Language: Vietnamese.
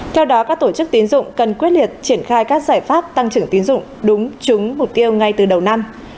theo đó các tổ chức tín dụng cần quyết liệt triển khai các giải pháp tăng trưởng tín dụng đúng trúng mục tiêu ngay từ đầu năm